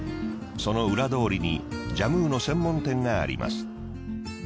その裏通りにジャムウの専門店があります。